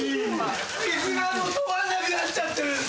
水が止まんなくなっちゃってるんすよ。